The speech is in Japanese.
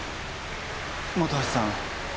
本橋さん。